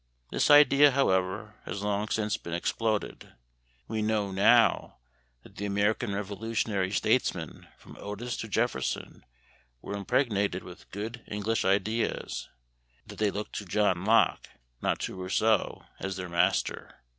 This idea, however, has long since been exploded. We know now that the American revolutionary statesmen from Otis to Jefferson were impregnated with good English ideas, that they looked to John Locke, not to Rousseau, as their master.